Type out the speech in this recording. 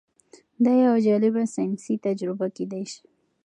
دا یوه جالبه ساینسي تجربه کیدی شي.